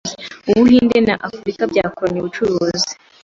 Ubuhinde na Afurika byakoranye ubucuruzi